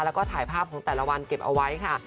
แล้วก็ถ่ายภาพของแต่ละวันเก็บเอาไว้ค่ะ